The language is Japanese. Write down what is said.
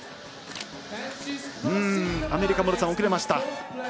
アメリカ、モルツァン遅れました。